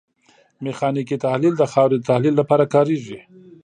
میخانیکي تحلیل د خاورې د تحلیل لپاره کاریږي